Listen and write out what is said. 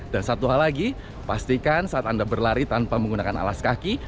dan satu hal lagi pastikan saat anda berlari tanpa menggunakan alas kaki